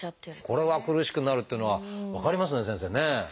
これは苦しくなるっていうのは分かりますね先生ねえ！